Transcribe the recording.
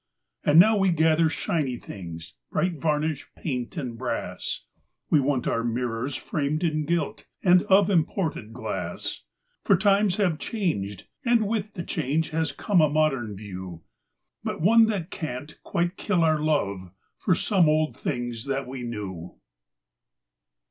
And now we gather shiny things—bright varnish, paint and brass. We want our mirrors framed in gilt and of imported glass. For times have changed, and with the change has come a modem view. But one that can't quite kill our love for some old things that we knew.